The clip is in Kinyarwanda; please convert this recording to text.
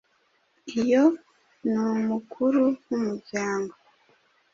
Iyo ni umukuru w’umuryango